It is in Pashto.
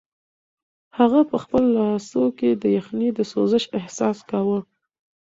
هغه په خپلو لاسو کې د یخنۍ د سوزش احساس کاوه.